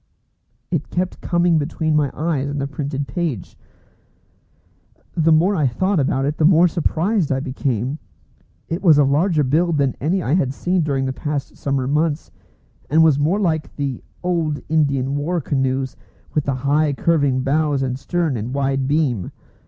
It kept coming between my eyes and the printed page. The more I thought about it the more surprised I became. It was of larger build than any I had seen during the past summer months, and was more like the old Indian war canoes with the high curving bows and stern and wide beam.